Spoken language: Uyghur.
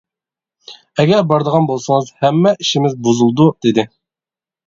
ئەگەر بارىدىغان بولسىڭىز ھەممە ئىشىمىز بۇزۇلىدۇ دېدى.